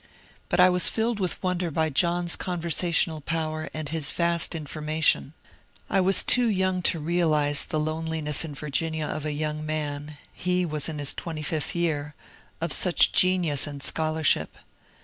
But I was filled with wonder by John's conversational power and his vast information. I was too young to realize the loneli ness in Virginia of a young man — he was in his twenty fifth year — of such genius and scholarship.